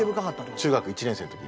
中学１年生の時に。